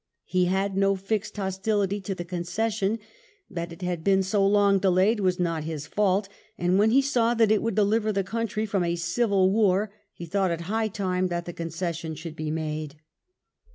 He had no fixed hostility to the concession ; that it had been so long delayed was not his fault ; and when he saw that it would deliver the country from a civil war, he thought it high time that the con cession should be made.